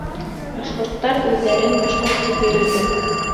Башҡорттар үҙҙәрен башҡорт тип йөрөтә